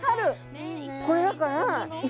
これだから。